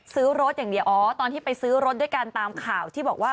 ซื้อรถอย่างเดียวอ๋อตอนที่ไปซื้อรถด้วยกันตามข่าวที่บอกว่า